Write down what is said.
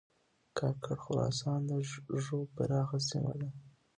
کاکړ خراسان د ږوب پراخه سیمه ده